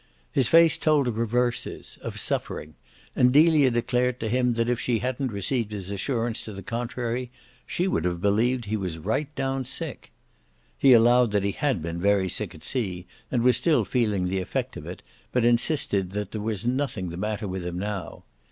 His face told of reverses, of suffering; and Delia declared to him that if she hadn't received his assurance to the contrary she would have believed he was right down sick. He allowed that he had been very sick at sea and was still feeling the effect of it, but insisted that there was nothing the matter with him now.